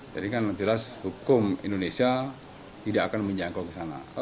jadi kan jelas hukum indonesia tidak akan menyangkut ke sana